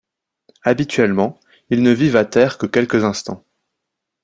Habituellement, ils ne vivent à terre que quelques instants.